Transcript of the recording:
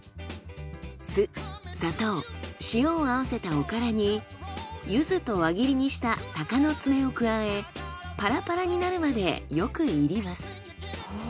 酢砂糖塩を合わせたおからに柚子と輪切りにした鷹の爪を加えパラパラになるまでよく炒ります。